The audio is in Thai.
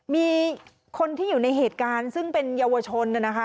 มีคนที่อยู่ในเหตุการณ์ซึ่งเป็นเยาวชนนะคะ